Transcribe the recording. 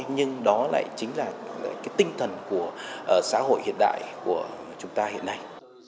nhưng đó lại chính là cái tinh thần của xã hội hiện đại của chúng ta hiện nay